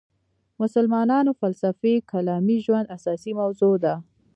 مسلمانانو فلسفي کلامي ژوند اساسي موضوع ده.